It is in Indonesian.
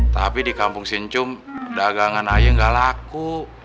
tapi di kampung encum dagangan ayah gak laku